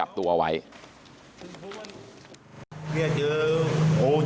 โหลายกาก